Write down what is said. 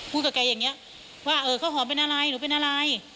กับแกอย่างนี้ว่าเออข้าวหอมเป็นอะไรหนูเป็นอะไร